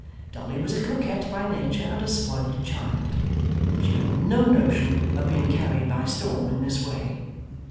Dolly was a coquette by nature, and a spoilt child. She had no notion of being carried by storm in this way.